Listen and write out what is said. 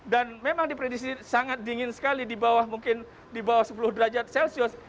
dan memang dipredisi sangat dingin sekali di bawah mungkin di bawah sepuluh derajat celcius